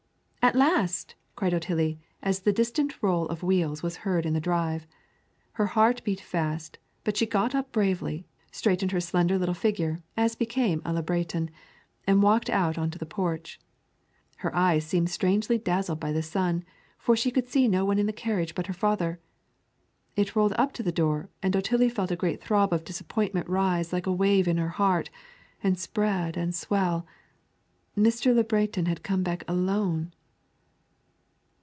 "At last!" cried Otillie as the distinct roll of wheels was heard on the drive. Her heart beat fast, but she got up bravely, straightened her slender little figure as became a Le Breton, and walked out on to the porch. Her eyes seemed strangely dazzled by the sun for she could see no one in the carriage but her father. It rolled up to the door, and Otillie felt a great throb of disappointment rise like a wave in her heart, and spread and swell! Mr. Le Breton had come back alone!